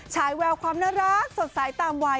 ฉายแววความน่ารักสดใสตามวัย